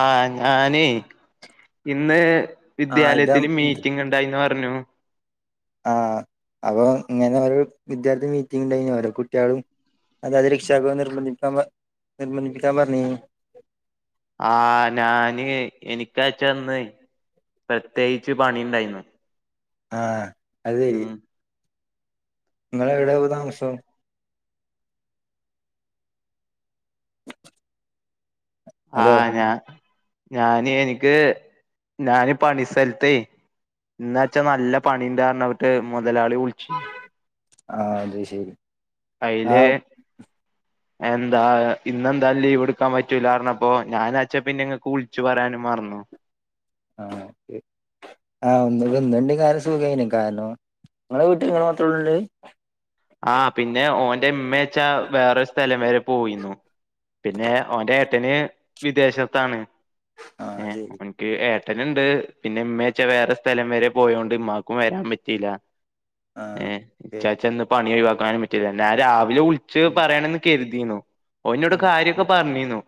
ആഹ് ഞാനേ ഇന്ന് ആ ഇതാ വിദ്യാലയത്തില് മീറ്റിംഗ് ഇണ്ടായിന്ന് പ പർഞ്ഞു. ആഹ് അപ്പൊ ഇങ്ങനെ ഒരു വിദ്യാർത്തി മീറ്റിംഗ് ണ്ടായി ഓരോ കുട്ട്യാളും അതാത് രക്ഷിതാക്കളും നിർബന്ധിപ്പിക്കാൻ നിർബന്ധിപ്പിക്കാൻ പർഞ്ഞിനി. ആഹ് ഞാന് എനിക്കാച്ചന്ന്. പ്രത്യേകിച്ച് പണിണ്ടായിന്നു. ആഹ് അത് ശരി. നിങ്ങളെ എവിടെ ഇപ്പം താമസം? ഹലോ ആഹ് ഞാ ഞാന് എനിക്ക് ഞാന് പണിസൽത്തെ ഇന്നാച്ചാ നല്ല പണിണ്ടായ്ര്ന്നുട്ട് മുതലാളി വിള്ച്ച് ആഹ് അത് ശരി. ആ അയിലെ എന്താ ഇന്നെന്താ ലീവ് എടുക്കാൻ പറ്റൂല പർഞ്ഞപ്പോ ഞാനാച്ചാ പിന്നെ ഇങ്ങക്ക് വിള്ച്ച് പറയാനും മർന്നു. ആഹ് എഹ് ആഹ് ഒന്ന് ഒന്ന് രണ്ട് കാര്യം സുഖയന് കാരണം നിങ്ങടെ വീട്ടിൽ നിങ്ങള് മാത്ര ഉള്ളെ? ആ പിന്നെ ഓന്റെ ഉമ്മെന്നു വെച്ചാ വേറെ ഒരു സ്ഥലം വരെ പോയിന്നു പിന്നെ ഓന്റെ ഏട്ടന് വിദേശത്താണ് ആ ഏഹ് ശരി അവനിക്ക് ഏ ഏട്ടനുണ്ട് പിന്നെ ഉമ്മച്ചാ വേറെ സ്ഥലം വരെ പോയോണ്ട് ഉമ്മാക്കും വരാൻ പറ്റില്ല ആ ഏഹ് ഓക്കെ ഇച്ചാച്ചന്ന് പണി ഒഴിവാക്കാനും പറ്റീല്ല ഞാൻ രാവിലെ വിളിച്ച് പറയണം നിക്കാരുന്നു നിന്നു ഓൻ എന്നോട് കാര്യം ഒക്കെ പറഞ്ഞീന്നു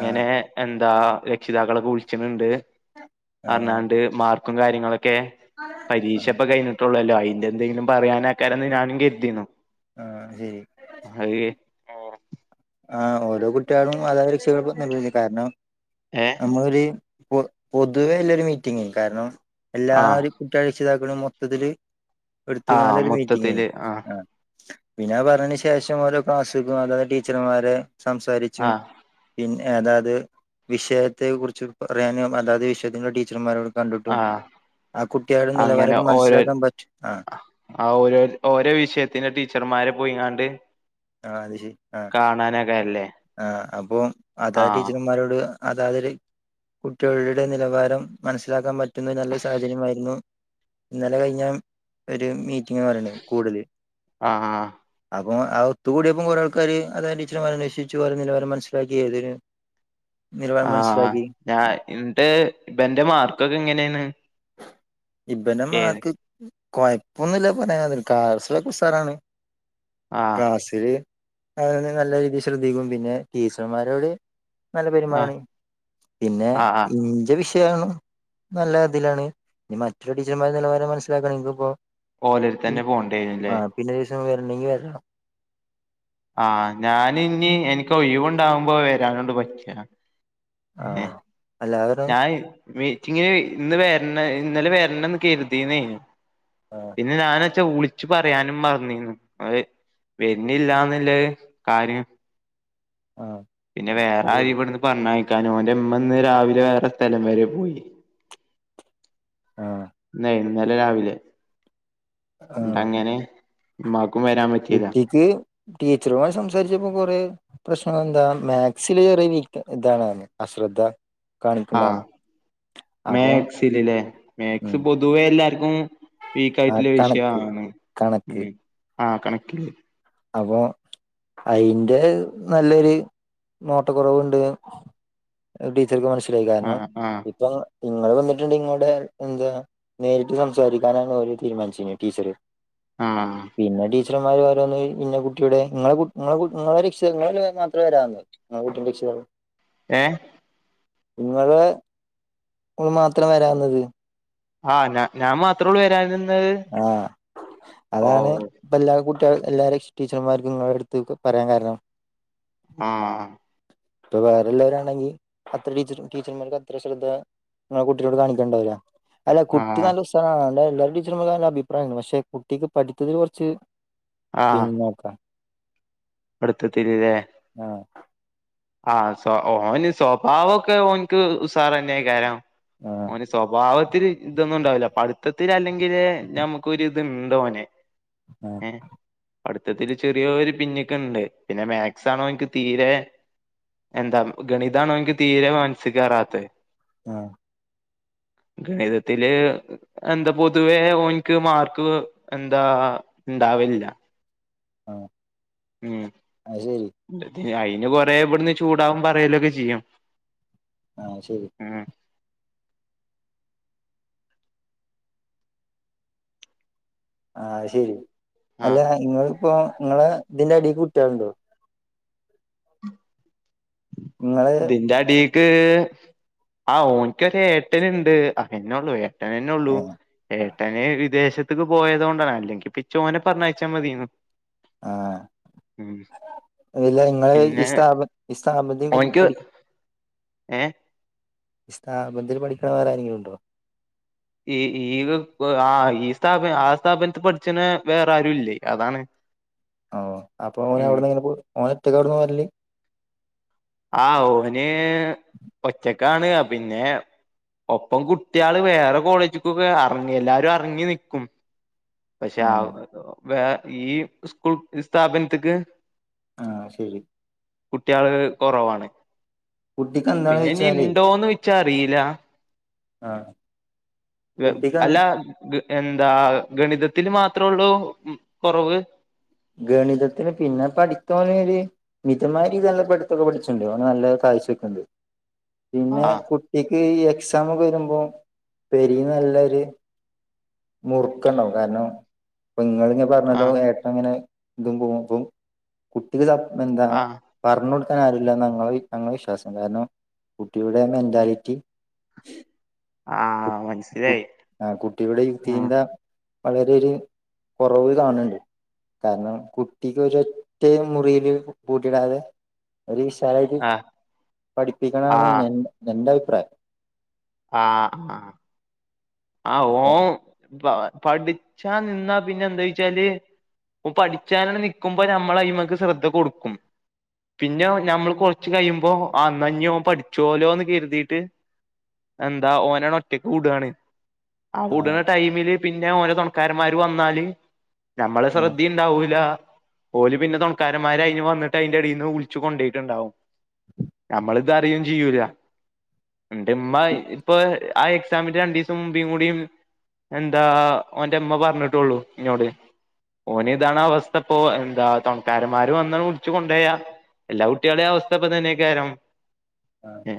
ആ എ താ രക്ഷിതാക്കളൊക്കെ വിളിക്കുന്നുണ്ട് ആ അണാണ്ട് മാർക്കും കാര്യങ്ങ ക്കെ ആ പരീക്ഷ ഇപ്പം കഴിഞ്ഞിട്ടുള്ളല്ലോ അയിന്റെ എന്തെങ്കിലും പറയാനാ ആക്കാനോ ആണെന്നെ ഞാനും കരുതിന്നു ആഹ് ശരി ആ ഓരോ കുട്ടികളും അതാ രക്ഷകൾക്കും നല്ലത് കാരണം ഏഹ് നമ്മളൊരു പൊ പൊതുവേ ഉള്ളരു മീറ്റിംഗ് കാരണം ആഹ് എല്ലാരും [unintelligible] രക്ഷിതാക്കളും മൊത്തത്തില് എടുത്ത് ആഹ് [unintelligible] മീറ്റിങ്ങേ മൊത്തത്തില് ആഹ് പിന്നെ ആ പറഞ്ഞന് ശേഷം ഓരോ ക്ലാസ്സക്കും അതാത് ടീച്ചർമാരെ സംസാരിച്ചും ആഹ് പിന്നെ അതായത് വിഷയത്തെ കുറിച്ച് പറയാനും അതാത് വിഷയത്തിന്റെ ടീച്ചർമാരോട് കണ്ടിട്ടും ആഹ് ആ കുട്ടികൾടെ അങ്ങനെ നിലവാരൊക്കെ ഓരോ മനസ്സിലാക്കാൻ പറ്റ ആ ഓരോ ഓരോ വിഷയത്തിന്റെ ടീച്ചർമാരെ പോയിങ്ങാണ്ട് ആ അത് ശരി ആ കാണാനൊക്കെല്ലേ ആ അപ്പൊ അതാ ആഹ് ടീച്ചർമാരോട് അതാതില് കുട്ടികളുടെ നിലവാരം മനസ്സിലാക്കാൻ പറ്റുന്ന നല്ല സാഹചര്യമായിരുന്നു ഇന്നലെ കഴിഞ്ഞ ഒരു മീറ്റ പറ കൂടുതൽ ആഹ് അപ്പൊ ആ ഇതു കൂടിയപ്പം കുറെയാൾക്കാര് അത ടീച്ചർമാർ അന്വേഷിച്ചു ഓരെ നിലവാരം മനസ്സിലാക്കിയെഴുതിന്. ആ ഞാ ഇന്റെ ഇപ്പന്റെ മാർക്കൊക്കെ എങ്ങനെണ്‌? ഇപ്പെന്റെ മാർക്ക് കൊഴപ്പൊന്നുല്ല പറയാ അതിന് ക്‌ളാസിലൊക്കുസാറാണ്. ആ അത് [unintelligible] നല്ല രീതിയിൽ ശ്രദ്ധിക്കും പിന്നെ ടീച്ചർമാരോട് നല്ല ആഹ് പെരുമാറാണ്. പിന്നെ ആഹ് ആഹ് ഇന്റെ വിഷ ഷയം നല്ല ഇതിലാണ് ഇനി മറ്റൊരു ടീച്ചർമാരടെ നിലവാരം മനസ്സിലാക്കണം. ഓലരുത്തന്നെ ആ് പോണ്ടേരുല്ലേ പിന്നെ ഒരൂസം വരുണ്ടെങ്കിൽ വരണം. ആ ഞാന ഇനി എനിക്ക് ഒഴിവുണ്ടാവുമ്പോ വരാനോണ്ട് പറ്റ ആ അല്ലാതെ ഞാൻ മീറ്റിങ്ങന് ഇന്ന് വരണ ഇന്നലെ വരണന്ന് കരുതീന്നേനു. ആ പിന്നെ ഞാന വച്ച ഊളി. വിളിച്ചു പറയാനും മറന്നിന്നു അത് വരുന്നില്ലാന്നൊല്ല കാര്യം. ആ ആ പിന്നെ അത് വേറാരെ ശരി ഇവിടന്ന് പറഞ്ഞയക്കാനും ഒന്റെമ്മിന്നു രാവില എ വേറെ സ്ഥലം വരെ പോയി. ആ ന്നേ ഇന്നലെ രാവിലെ ആ ന്നിട്ടങ്ങനെ ഉമ്മാക്ക് കുട്ടിക്ക് ടീച്ചറുമായി സംസാരിച്ചപ്പോ കൊറേ പ്രശ്ന എന്താ മാത്സില് ചെറിയ വീക്ക്‌ ഇതാണ് അശ്രദ്ധ ആഹ് കാണിക്കണ്ടാണ് മാത്സിലില്ലേ ഉം മാത്സ് പൊതുവേ എല്ലാർക്കും ആ വീക്കായിട്ടുള്ള വിഷയം കണക്ക് ആണ്. കണക്ക്. ആ കണക്ക്. അപ്പോ അതിന്റെ നല്ലൊരു നോട്ടക്കുറവുണ്ട് [unintelligible] ട്ട്യൾക്ക് മനസ്സിലായി കാരണം ആഹ് ആഹ് ഇപ്പം നിങ്ങള് വന്നിട്ടുണ്ട് ഇങ്ങോടെ എന്താ നേരിട്ടു സംസാരിക്കാനാണ്ന്നോരു തീരുമാനിച്ചിന് ടീച്ചറ്. ഉം ടീച്ചറുമ്മാരോരോന്നു എഴു പിന്നെ കുട്ടിയുടെ നിങ്ങളെ കുട്ട് നിങ്ങളെ കുട് നിങ്ങളെ രക്ഷിത ങ്ങള് രണ്ടുപേരു മാത്രേ വരാവുന്ന്‌ നിങ്ങളകുട്ടിം രക്ഷിതാവും ഏ നിങ്ങള് മാത്രം വരാവുന്നത്. ആ ഞ ഞാൻ മാത്രേ ഉള്ളൂ വരാന്. ആ അതാണ് ഇപ്പ എല്ലാ കുട്ട് കുട്ടികൾ എല്ലാരേം ടീച്ചർമാർക്കും നിങ്ങളുടെ അടുതെക്കും പറയാൻ കാരണം. ആ ഇപ്പൊ വേറെ വല്ലവരും ആണെങ്കി അത്ര ടീച്ചർ ടീച്ചർമാർക്ക് അത്ര ശ്രദ്ധ നിങ്ങടെ കുട്ടിനോട് കാണിക്കേണ്ടാവില്ല. അല്ല കുട്ടി ആഹ് നല്ല ഉസാറാണ് ഒള്ള എല്ലാ ടീച്ചറുമ്മാർക്കും നല്ല അഭിപ്രായാണ് പക്ഷെ കുട്ടിക്ക് പഠിത്തത്തിൽ കുറച്ച് പിന്നോക്കാ. അടുത്ത തിരിരേ ആഹ് ആ സ്വ ഓന് സ്വഭാവൊക്കെ ഓനിക്ക് സാറന്നെയി കരാം. ആഹ് ഓന് സ്വഭാവ ഒത്തിരി ഇതൊന്നും ഉണ്ടാവില്ല പഠിത്തത്തിലല്ലെങ്കില് നമുക്കൊരു ഇത് ഇണ്ടോനെ. ആ പഠിത്തത്തില് ചെറിയോര് പിന്നിക്കുണ്ട് പിന്നെ മാത്സാണോനിക്ക് തീരെ എന്താ ഗണിതാണോനിക്ക് തീരെ മനസ്സിക്കേറാത്തെ. ആ ഗണിതത്തില് എന്താ പൊതുവേ ഓനിക്ക് മാർക്ക് എന്താ- ഉണ്ടാവില്ല. ആ ഉം അയിന് കൊറെേ ഇവിടുന്ന് ചൂടാവും പറയലൊക്കെ ചെയ്യും ആഹ ശരി ഉം ആഹ ശെരി ആഹ് അല്ല ഇങ്ങ ഇപ്പോ നിങ്ങളെ ഇതിന്റെ അടിൽ കുട്ടികളണ്ടോ നിങ്ങള് ഇതിന്റെ അടിക്ക് ആ ഓനിക്കൊ ഏട്ടന്ുണ്ട് അങ്ങനെയ ഉള്ളൂ ഏട്ടന തന്നെ ഉള്ളൂ ഏട്ടന വിദേശത്തക്ക് പോയതുക കൊണ്ടാണ് അല്ലെങ്കി ഇപ്പ ഇിച്ചോനെ പറഞ്ഞ അയച്ചാ മതിയുന്നു ആഹ ഇല്ല നിങ്ങള് പിന്നെ ഈ സ്ഥാപ ഈ സ്ഥാപ ടി ഓനിക്ക് പഠ ഏ സ് ബന്ൽ പഠിക്കണ വേറെ ആരെങ്കിലും ഉണ്ടോ ഈ ഈ ആ ഈ സ്ഥാപ ആ സ്ഥാപനത്തി പഠിച്ചന വേറെ ആരു ഇല്ലേ അതാണ് ഓ അപ്പൊ ഓന ഉം എവിടന്ന് ഇങ്ങനെ ഓന എറ്റക്കെ അവിടന്നന്ന് വരല്ലേ ആ ഓന് ഒച്ചക്കാണ് പിന്നെ ഒപ്പം കുട്ടികള് വേറെ കോളേജിക്കൊക്കെ ഇറങ്ങി എല്ലാരും ഇറങ്ങി നക്കും പക്ഷെ ആ വ ഈ സ്കൂൾ സ്ഥാപനത്തക്ക് ആഹ ശരി കുട്ടികള് കുറവാണ് കുട്ടിക്ക് എന്താണ് പിന്നെ ഇനി ചോയിച്ചാലേ ഉണ്ടോന്ന് വെച്ചാ അറിയില കുട്ടിക്ക് അന്ന് അല്ല എന്താ ഗണിതത്തിൽ മാത്രേ ഉള്ളൂ കുറവ് ഗണിതത്തിന് പിന്നെ പഠിത്തന ഒരു മിതമായ രീതി നല്ല പഠിത്തൊക്കെ പഠിച്ചുണ്ട് നല്ല പിന്നെ ആഹ് കുട്ടക്ക് എക്സമ ഒക്കെ വരുമ്പോ പെരി നല്ലൊരു മുറുക്കണകാനോ അപ്പം ഇങ്ങളിങ്ങനെ പറഞ്ഞല്ലോ ആഹ് ഏട്ട ഇങ്ങനെ ഇതും പോകും അപ്പം കുട്ടിക്ക് എന്താ ആഹ് പറഞ്ഞടു ൻ ആില്ല ഞങ്ങള് വിശ്വാസം കാര കുട്ടിയുടെ മെന്റാലിറ്റി കു ആഹ് കു മനസ്സിലായി ആ കുട്ടിയുടെ ആഹ് യുക്തിന്ത വളരെ ഒരു കുറവ് കാണുന്നുണ്ട് കാരണം കുട്ടിക്ക് ഒര ഒറ്റ മുറിൽ കൂട്ടടാതെ ഒരു ശാലൽ ആഹ് പഠിപ്പിക്കണംാണ്ൻ എന്റെ അഭിപ്രായം ആഹ ആഹ് ആ ഓ പഠിച്ചാ നിന്നാ പിന്നെ എന്താ ചച്ചാല് അപ്പ പഠിച്ചാല നക്കുമ്പോ നമ്മൾ അ്മക്ക് ശ്രദ്ധ കൊടുക്കും പിന്നെ നഞമ്മൾ കൊറച്ച് കഴിയുമ്പോ അന്നഞ്ഞോ പഠിച്ചോലോന്ന് കരുതിയിട്ട് എന്താ ഓനാണ് ഒറ്റക്ക് കൂടയാണ് ആ ആഹ് ഉടന ടൈമില് പിന്നെ ഓരോ ത തുണക്കാരന്മാര് വന്നാല് നമ്മള് ആഹ് ശ്രദ്ധുണ്ടാവൂല ഓല പിന്നെ ത തുണക്കാരന്മാര് അു വന്നിട്ട് അതിന്റെ അടിൽന്ന് വിളിച്ചച്ച് കൊണ്ടേട്ടുണ്ടാവും നമ്മള് റിയയും ചെയ്യൂല ഉമ്മ ഇപ്പൊ ആ എക്സാമിന്റെ രണ്ട ുമ്പിയ കൂടിയും എന്താ അവന്റെ അമ്മ പറഞ്ഞിട്ടുള്ളു ഇനോട് ഓന ഇതാണ് അവസ്ഥ ഇപ്പൊ എന്താ തൊണക്കാരന്മാര്ും വന്ന വിളിച്ചു കൊണ്ട പോോയാ എല്ലാ കുട്ടികളെ അവസ്ഥ ഇപ്പൊ തന്നെയൊക്കാരം ആഹ് ഏ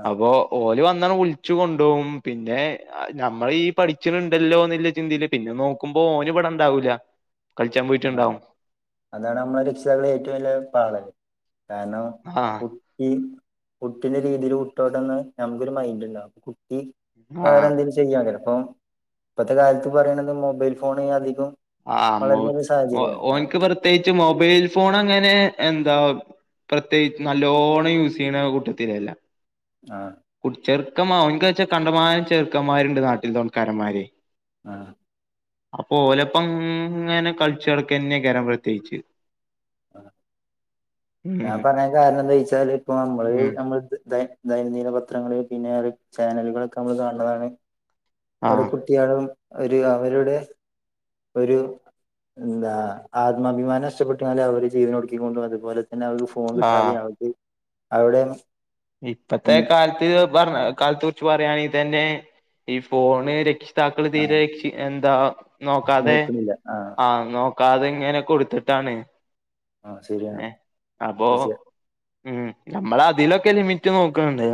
ആഹ് അപ്പ ഓല് വന്ന വിളിച്ചു കൊണ്ട പോും പിന്നെ നഞമ്മൾ ഈ പഠിച്ചിട്ടുണ്ടല്ലോന്നില്ല ചിന്തിയില് പിന്നെ നോക്കുമ്പോ ഓന് ഇടം ഇണ്ടാാവൂല ൻ ആഹ് പോയിട്ടുണ്ടാവും അതാണ് നമ്മള രക്ഷിതാക്കളെ ഏറ്റവും വലിയ പാതക കാരണം ആഹ് കുട്ടി കുട്ടിന്റെ രീതീല് വിട്ടോട്ടെന്ന് ഞംക്കൊര് മൈൻഡ്ണ്ടാവും കുട്ടി ആഹ് വേറെന്തേലും ചെയ്യാക്കരം അപ്പം ഇപ്പത്തെ കാലത്ത് പറീണത് മൊബൈൽ ഫോണ് അധികം ആഹ് മൊ വളരുന്ന ഒരു ഒ സാഹചര്യമാണ് ഓന്ക്ക് ആഹ് പ്രത്യേകിച്ച് മൊബൈൽ ഫോണ് ങ്ങെനെ എന്താ പ്രത്യേകി നല്ലോണം യൂസെയ്യ്ണ കൂട്ടത്തിലല്ലാ കുട്ട് ചെർക്കമാ ഓന്ക്ക്ന്നെച്ചാ കണ്ടമാനം ചെർക്കന്മാര്ണ്ട് നാട്ടിൽ തൊൺക്കാരമ്മാരേ ആഹ് അപ്പൊ ഓലപ്പങ്ങനെ കൾച്ചട്ക്കെന്നെയ്ക്കാരം പ്രത്യേക്ച്ച് ആഹ് ഞാൻ പറയാൻ കാരണം എന്താച്ചാല് ഇപ്പ നമ്മള് ഉം നമ്മള് ദൈനംദിന പത്രങ്ങള് പിന്നെ അത് ചാനെലുകളൊക്കെ അനമ്മള് കാണ്‌ണതാണ് ഒരു ആഹ് [unintelligible] ഒര് അവരുടെ ഒരു എന്താ ആത്മാഭിമാനം ഒരു ന്താ ആത്മാഭിമാനഷ്ടപ്പെട്ടാല് അവര് ജീവനൊടുക്കിക്കൊണ്ടും അതുപോലെ പിന്ന [unintelligible] ആഹ് കിട്ടാതെ [unintelligible] അവിടെന്ന് ഇപ്പത്തെ കാലത്ത് പർഞ്ഞാ കാൽത്തെ കുർച്ച് പർയാണെ തന്നേ ഈ ഫോണ് രക്ഷി താക്കള് ആ തീരെ ക്ഷി എന്താ നോക്കാതെ നോക്കണില്ല ആ ആഹ് നോ അത്ങ്ങെനെ കൊട്ത്ത്ട്ടാണ് ആഹ് ശെരിയാണ് തീർച്ചയ ഉം ഞമ്മളതീന്നൊക്കെ ലിമിറ്റ് നോക്ക്ണ്‌ണ്ട്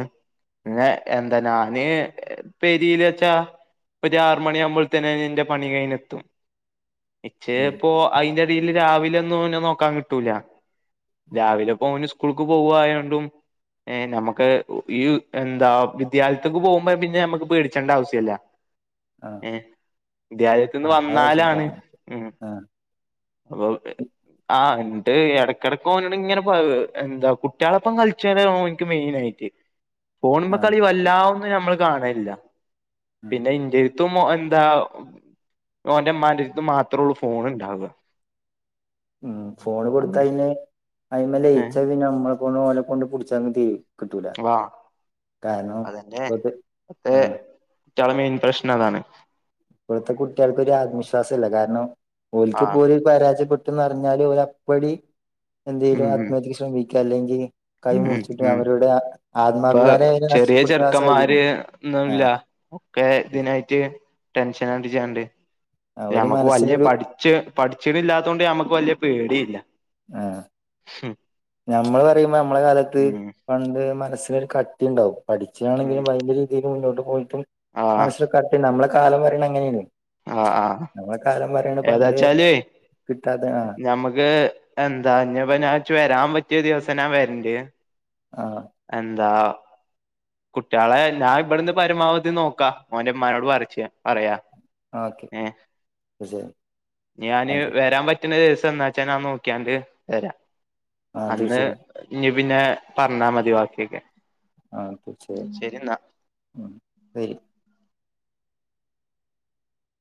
ഉം പിന്നെ എ തെനാന് പെരീല് വെച്ചാ ഒരു ആറ് മണിയ ആകുമ്പോഴത്തന്നെ എന്റെ പണി കഴിഞ് എത്തും ഉം ഇച്ചേപ്പോ അതിറെടിൽ രാവിലെ ഒന്നും ഓനെ നോക്കാൻ കിട്ടൂല ഉം രാവിലെ ഇപ്പോന് സ്കൂൾക്ക് പോവായോണ്ടും ഏഹ് നമുക്ക് ഉ ഈയ്എന്താ വിദ്യാൽത്ത്ക്ക് പോവുമ്പൊപിന്നെ ഞമ്മക്ക് പേടിച്ചണ്ട ആവശ്യല്ല ആ ഏഹ് ആ വിദ്യാലയത്തന്ന് അത് വന്നാലാണ് മനസ്സിലായി ഉം ആ അപ്പൊ ഹെ ആഹ് [unintelligible] എന്ന് എടക്കടക് ഓനോട്‌ങ്ങനെ പാ എന്താ കുട്ടയാളാപ്പം കളിച്ചആണന്നു ഓന്ക്ക് മെയിൻ ആയിട്ട് ഫോണ് ആ മ്മക്കളി ആ വല്ലാഒന്നും കമ്മള് കാണലില്യ ഉം പിന്നെ ഇന്റേത് [unintelligible] എന്താ ഓന്റെ അമ്മാന്റെത്ത് മാത്രള്ളു ഫോൺ ഉണ്ടാവ ഉം ഫോണ് കൊടുത്തപിന്നെ അയിമ ഏ ലയിച്ചാ പിന്നെ നമ്മളെ കൊണ്ട് ഓലെ കൊണ്ട് പിടിച്ച [unintelligible] കിട്ടൂല വാ കാരണം അതന്നെ ഇപ്പത്തെ മറ്റേ ആഹ് കുട്ട്യാളെ മെയിൻ പ്രശ്നം അതാണ് ഇപ്പോഴത്തെ കുട്ടിയേൾക്കാെരു ആത്മവിശ്വാസം ഇല്ല കാരണം ഓൽക്ക് ആ ഇപ്പോല് പരാജയപ്പെട് പറഞ്ഞാല് ഒരപ്പടി ഉം എന്തേലും ഉം ആത്മഹത്യക്ക് ശ്രമിക്ക അല്ലെങ്കിൽ കൈ ഉം മുറിച്ച്ട്ടും ഉം അവരുടെ ഇപ്പൊ ആത്മാഭിമാനം അവരെ ചെറിയ നഷ്ടപ്പെടുത്തുന്ന ആ സാഹചര്യം ചെറ്ക്കന്മാര് ഒന്നല്ല ആഹ് ഒക്കെ ഇതിനായിട്ട് ടെൻഷനചാണ്ട് ആഹ് ഒരു ഞമ്മക്ക് വല്യ മനസ്സിനൊരു പഠിച് പഠിച്ചിട്ടില്ലാട്ടോണ്ട് ഞമ്മക്ക് വല്യ പേടിയില്ല ആഹ് നമ്മള് പറയുമ്പോ നമ്മളെ കാലത്ത് ഉം പണ്ട് മനസ്സിനരു കട്ടിണ്ടാവും പഠിച്ചാണെങ്കിലും ഭയര രീതിയി മുന്നോട്ട് പോയിട്ടും ആ മനസ്സിൽ കട്ടി ണ്ടാവും നമ്മളെ കാലം വരെ അങ്ങനെനി ആഹ് ആഹ് പണ്ട് ഏതാച്ചാല് കിട്ടാത്ത ആഹ് ഞമുക്ക് എന്താ ഞ് പഞാ വരാൻ പറ്റ ഒറ്റേ ദിവസം ഞാൻ വരണ്ട് ആഹ് എന്താ [inaudible] കുട്ട്യോളെ ഞാൻ ഇവിടെന്ന് പരമാവധി നോക്കാ ഓന്റെമ്മാനോട് പറച്ച് പറയാ ഓക്കെ ഏഹ് തീർച്ചയായും ഞാന് അതെ വരാൻ പറ്റണ ദിവസ് എന്നാച്ച ഞാൻ നോക്കിയാണ്ട് വരാ ആഹ് അന്ന് തീർച്ചയായും [unintelligible] പിന്നെ പറഞ്ഞാ മതി ബാക്കിയക്കെ ആഹ് തീർച്ചയായും ഉം പെരി